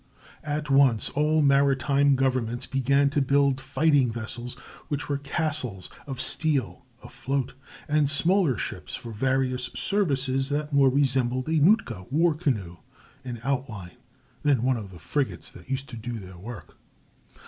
] At once all maritime governments began to build fighting vessels which were castles of steel afloat, and smaller ships for various services that more resembled a Nootka war canoe in outline than one of the frigates that used to do their work.